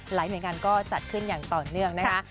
หลายเหมือนกันก็จัดขึ้นอย่างต่อเนื่องนะคะ